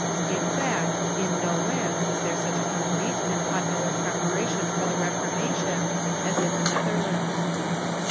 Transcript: In fact, in no land Avas tliere such a complete and pop ular preparation for the Reformation as in the Xetherlands.